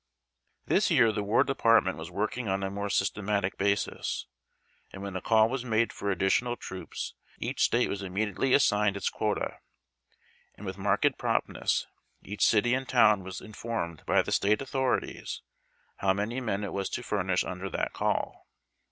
This year the War Department was working on a more systematic basis, and when a call was made for additional troops each State was immediately assigned its quota, and with marked promptness each city and town was informed by the State authorities how many men it was to furnish under that call.